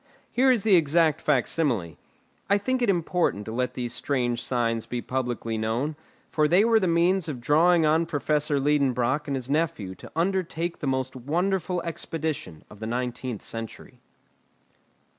Here is the exact facsimile. I think it important to let these strange signs be publicly known, for they were the means of drawing on Professor Liedenbrock and his nephew to undertake the most wonderful expedition of the nineteenth century.